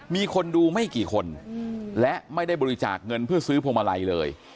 มีคนดูไม่กี่คนและไม่ได้บริจาคเงินเพื่อซื้อพวงมาลัยเลย